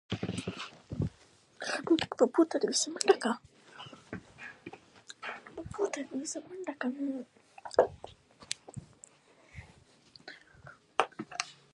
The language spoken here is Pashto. افغانستان د آمو سیند له مخې ښه پېژندل کېږي.